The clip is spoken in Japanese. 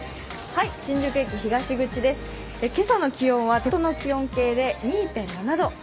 今朝の気温は手元の気温系で２．７度。